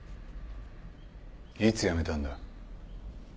いつやめたんだ？